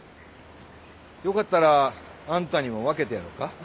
よかったらあんたにも分けてやろか？